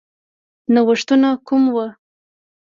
نوښتونه کم وو.